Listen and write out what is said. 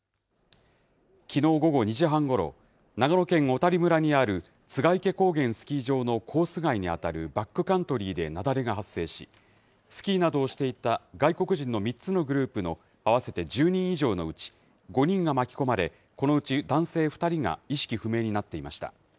きのう午後２時半ごろ、長野県小谷村にある栂池高原スキー場のコース外に当たるバックカントリーで雪崩が発生し、スキーなどをしていた外国人の３つのグループの合わせて１０人以上のうち５人が巻き込まれ、このうち男性２人が意識不明になっていました。